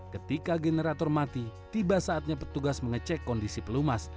ketika generator mati tiba saatnya petugas mengecek kondisi pelumas